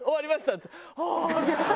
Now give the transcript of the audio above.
っつったら「ああー」って。